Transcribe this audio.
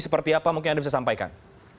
seperti apa mungkin anda bisa sampaikan